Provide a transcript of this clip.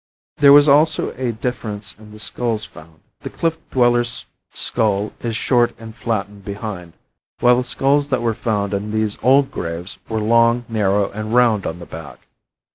There was also a difference in the skulls found. The cliff dwellers' skull is short and flattened behind, while the skulls that were found in these old graves were long, narrow and round on the back.